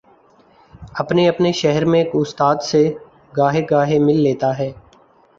اپنے اپنے شہر میں استاد سے گاہے گاہے مل لیتا ہے۔